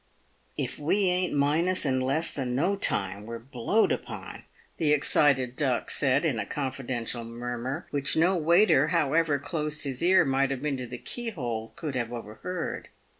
" If we ain't minus in less than no time, we're blowed upon," the excited Duck said, in a confidential murmur, which no waiter, how ever close his ear might have been to the keyhole, could have over heard.